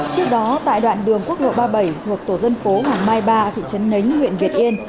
trước đó tại đoạn đường quốc lộ ba mươi bảy thuộc tổ dân phố hoàng mai ba thị trấn nấn huyện việt yên